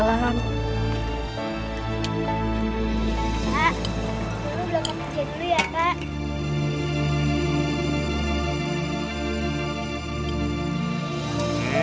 pak selamat pagi